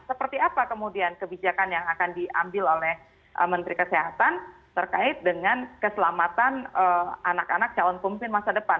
seperti apa kemudian kebijakan yang akan diambil oleh menteri kesehatan terkait dengan keselamatan anak anak calon pemimpin masa depan